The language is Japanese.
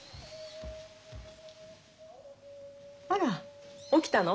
あら起きたの？